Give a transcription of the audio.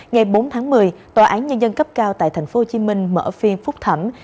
ngày bốn tháng một mươi tòa án nhân dân cấp cao tại tp hcm mở phiên phúc thẩm